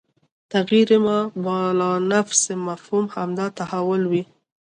تغیر ما بالانفس مفهوم همدا تحول وي